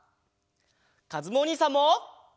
かずむおにいさんも！